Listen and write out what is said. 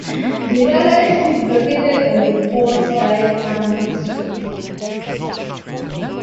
The galley is located on the port side amidships.